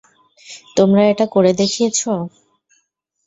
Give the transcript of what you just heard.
তোমরা এটা করে দেখিয়েছ।